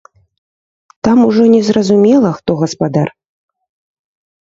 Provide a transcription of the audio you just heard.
Там ужо незразумела, хто гаспадар.